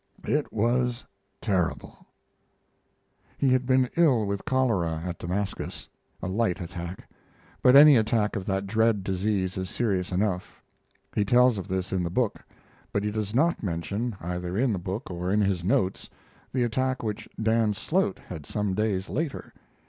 It was terrible. He had been ill with cholera at Damascus, a light attack; but any attack of that dread disease is serious enough. He tells of this in the book, but he does not mention, either in the book or in his notes, the attack which Dan Slote had some days later.